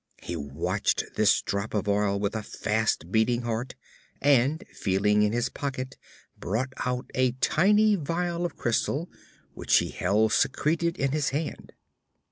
He watched this drop of oil with a fast beating heart, and feeling in his pocket brought out a tiny vial of crystal, which he held secreted in his hand.